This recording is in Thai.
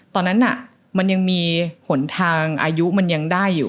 ตอนนั้นมันยังมีหนทางอายุมันยังได้อยู่